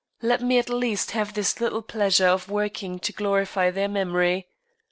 Let me at least have this little pleasure of working to glorify their memory.